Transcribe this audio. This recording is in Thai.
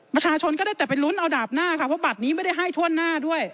ประชาชนก็ได้แต่ไปลุ้นเอาดาบหน้าค่ะเพราะบัตรนี้ไม่ได้ให้ถ้วนหน้าด้วย